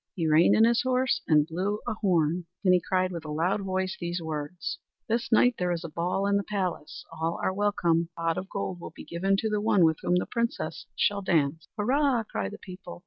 He reined in his horse and blew a horn. Then he cried with a loud voice these words: "This night there is a ball in the palace. All are welcome. The Pot of Gold will be given to the one with whom the Princess shall dance." "Hurrah!" cried the people.